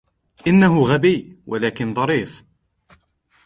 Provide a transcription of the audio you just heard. إنهُ غبي, ولكن ظريف.